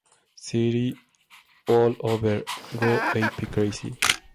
City All Over, Go Ape Crazy".